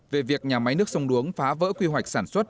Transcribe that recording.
về việc nhà máy nước sông đuống phá vỡ quy hoạch sản xuất